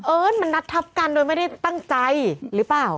มันนัดทับกันโดยไม่ได้ตั้งใจหรือเปล่า